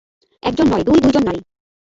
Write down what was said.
একজন নয়, দুই-দুইজন নারী।